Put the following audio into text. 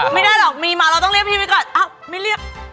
ไม่ได้หรอกมีมาเราต้องเรียกพี่ไปก่อนอ้าวไม่เรียก